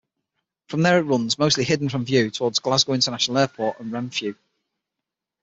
From there it runs, mostly hidden from view, towards Glasgow International Airport and Renfrew.